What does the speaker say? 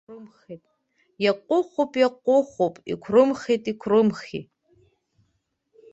Иаҟәыхтәуп, иаҟәыхтәуп, иқәрымхи, иқәрымхи!